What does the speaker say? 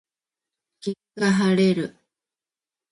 霧が晴れる。